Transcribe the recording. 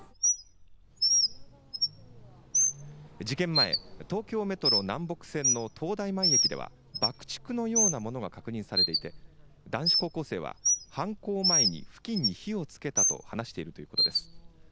事件前、東京メトロ南北線の東大前駅では爆竹のようなものが確認されていて男子高校生は犯行前に付近に火をつけたと話しているということです。